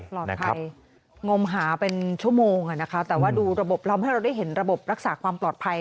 ปลอดภัยงมหาเป็นชั่วโมงนะคะแต่ว่าดูระบบล้อมให้เราได้เห็นระบบรักษาความปลอดภัย